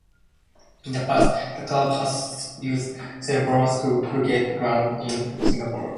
In the past, the club has used Sherborne School Cricket Ground in Sherborne.